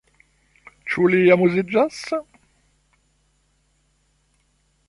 Ĉu li amuziĝas?